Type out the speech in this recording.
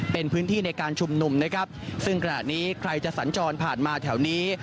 เป็นพื้นที่ในการชุมนุมนะครับซึ่งขณะนี้ใครจะสัญจรผ่านมาแถวนี้